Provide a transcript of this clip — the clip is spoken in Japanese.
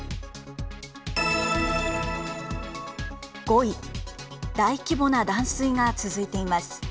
５位、大規模な断水が続いています。